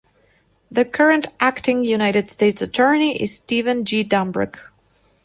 The current Acting United States Attorney is Stephen G. Dambruch.